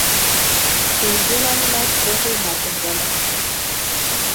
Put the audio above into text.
Тенгелӓнлӓ тӹ война тӹнгӓлӹн